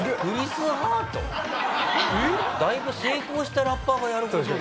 だいぶ成功したラッパーがやる事だよ。